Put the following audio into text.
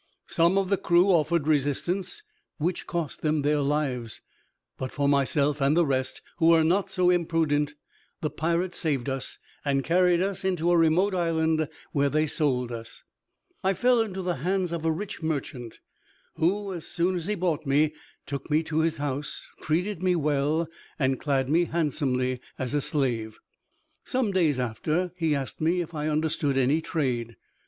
Some of the crew offered resistance, which cost them their lives. But for myself and the rest, who were not so imprudent, the pirates saved us, and carried us into a remote island, where they sold us. I fell into the hands of a rich merchant, who, as soon as he bought me, took me to his house, treated me well, and clad me handsomely as a slave. Some days after he asked me if I understood any trade.